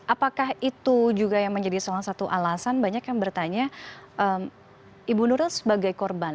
apakah itu juga yang menjadi salah satu alasan banyak yang bertanya ibu nuril sebagai korban